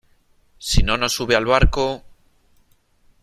si no nos sube al barco ...